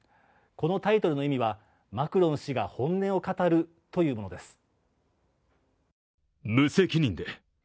このタイトルの意味はマクロン氏が本音を語るというものです。